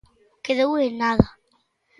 Quedou en nada.